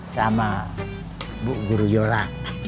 sama bu guru yola